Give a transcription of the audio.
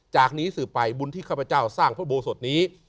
จากนี้สืบไปบุญที่ข้าพเจ้าสร้างพระโบสถนี้